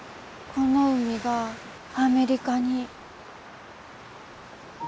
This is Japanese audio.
この海がアメリカに。